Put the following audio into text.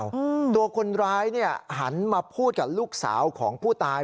อืมตัวคนร้ายเนี้ยหันมาพูดกับลูกสาวของผู้ตาย